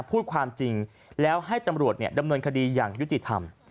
พูดความจริงแล้วให้ตำรวจดำเนินคดีอย่างยุติธรรม